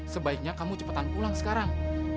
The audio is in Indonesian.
sebaiknya kamu cepatan pulang sekarang